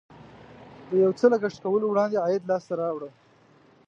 د یو څه لګښت کولو وړاندې عاید لاسته راوړه.